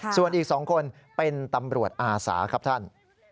ส่วนอีก๒คนเป็นตำรวจอาสาครับท่าน